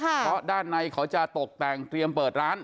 เพราะด้านในเขาจะตกแต่งเตรียมเปิดร้าน